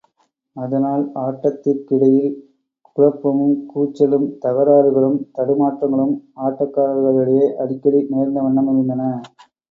அதனால் ஆட்டத்திற்கிடையில் குழப்பமும், கூச்சலும், தகராறுகளும், தடுமாற்றங்களும் ஆட்டக்காரர்களிடையே அடிக்கடி நேர்ந்த வண்ணமிருந்தன.